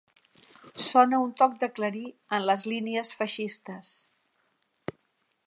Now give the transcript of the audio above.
Sona un toc de clarí en les línies feixistes